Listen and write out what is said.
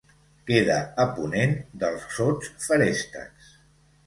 Queda a ponent dels Sots Feréstecs.